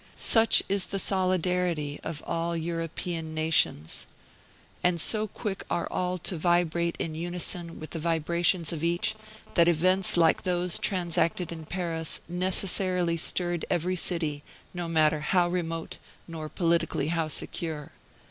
Such is the solidarity of all European nations, and so quick are all to vibrate in unison with the vibrations of each, that events like those transacted in Paris necessarily stirred every city, no matter how remote, nor politically how secure.